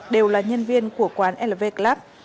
đều là nhân viên của quán lv club